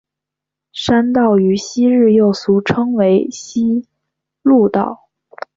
山道于昔日又俗称为希路道。